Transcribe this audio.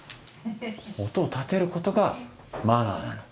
音を立てることがマナーなの？